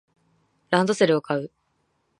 ランドセルを買う